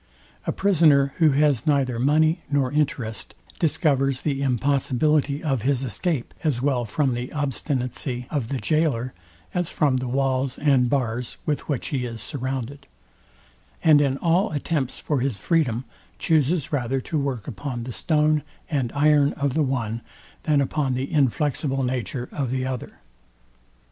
A prisoner, who has neither money nor interest, discovers the impossibility of his escape, as well from the obstinacy of the goaler, as from the walls and bars with which he is surrounded; and in all attempts for his freedom chuses rather to work upon the stone and iron of the one, than upon the inflexible nature of the other.